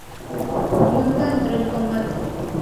Nunca entró en combate.